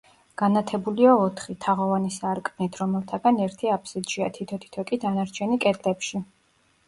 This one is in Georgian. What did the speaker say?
განათებულია ოთხი, თაღოვანი სარკმლით, რომელთაგან ერთი აფსიდშია, თითო-თითო კი დანარჩენი კედლებში.